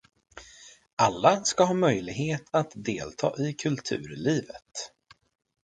Alla ska ha möjlighet att delta i kulturlivet.